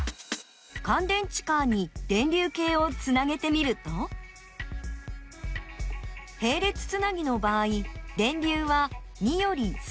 かん電池カーに電流計をつなげてみるとへい列つなぎの場合電流は２より少し小さくなっています。